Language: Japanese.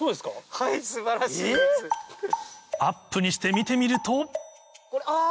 アップにして見てみるとあ！